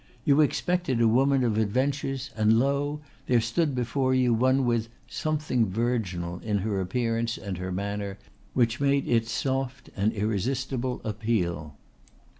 You expected a woman of adventures and lo! there stood before you one with "something virginal" in her appearance and her manner, which made its soft and irresistible appeal.